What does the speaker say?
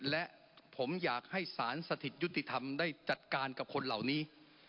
และผมอยากให้สารสถิตยุติธรรมได้จัดการกับคนเหล่านี้